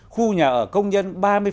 khu nhà ở công nhân ba mươi